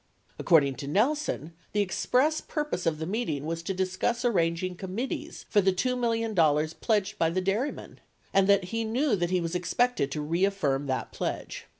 According to Nelson, the express purpose of the meeting was to discuss arranging committees for the $2 million pledged by the dairymen, and that he knew that, he was expected to reaffirm that pledge.